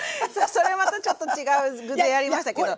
それまたちょっと違う具でやりましたけど。